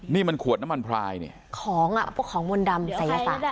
นี่มันขวดน้ำมันพลายเนี่ยของอ่ะพวกของมนต์ดำศัยศาสตร์